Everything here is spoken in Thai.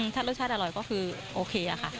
ถ้ารสชาติอร่อยก็คือโอเคค่ะ